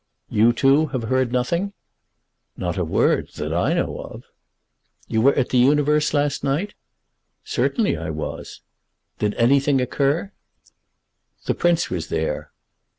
"You, too, have heard nothing?" "Not a word that I know of." "You were at The Universe last night?" "Certainly I was." "Did anything occur?" "The Prince was there."